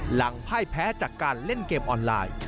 หลังไพ้แพ้จากการเล่นเกมออนไลน์